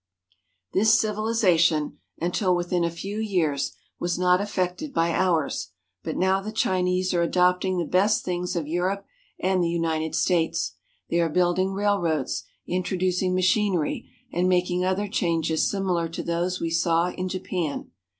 This civilization, until within a few years, was not affected by ours, but now the Chinese are adopting the best things of Europe and the United States. They are building railroads, introduc ing machinery, and making other changes similar to those we saw in Japan.